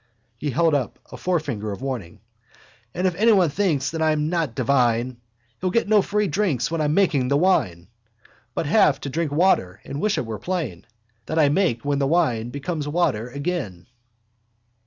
_ He held up a forefinger of warning. _—If anyone thinks that I amn't divine He'll get no free drinks when I'm making the wine But have to drink water and wish it were plain That I make when the wine becomes water again.